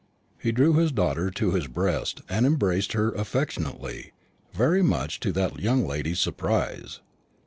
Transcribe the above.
He drew his daughter to his breast, and embraced her affectionately, very much to that young lady's surprise.